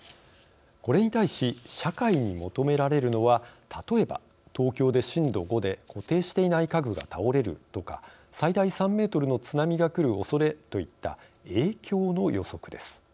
これに対し社会に求められるのは例えば「東京で震度５」で「固定していない家具が倒れる」とか「最大３メートルの津波が来るおそれ」といった「影響」の予測です。